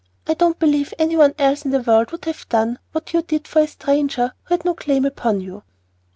I don't believe any one else in the world would have done what you did for a stranger who had no claim upon you."